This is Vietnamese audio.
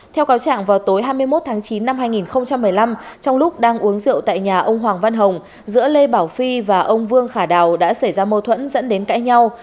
theo cáo trạng vào tối hai mươi một tháng chín năm hai nghìn một mươi năm trong lúc đang uống rượu tại nhà ông hoàng văn hồng giữa lê bảo phi và ông vương khả đào đã xảy ra mâu thuẫn dẫn đến cãi nhau